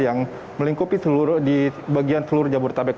yang melingkupi seluruh di bagian seluruh jabodetabek